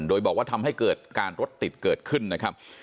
โดยบอกว่าทำให้เกิดการรถติดเกิดขึ้นนะครับ